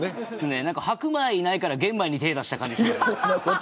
白米ないから玄米に手を出した感じ。